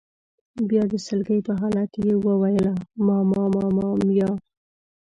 بیا د سلګۍ په حالت کې یې وویل: ماما ماما میا.